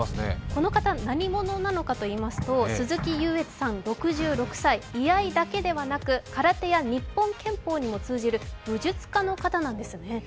この方何者かとといますと、鈴木勇悦さん、居合いだけではなく空手や日本拳法にも通じる武術家の方なんですね。